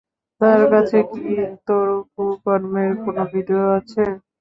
তার কাছে কি তোর কুকর্মের কোন ভিডিও আছে?